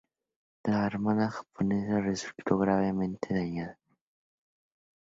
La armada japonesa resultó gravemente dañada.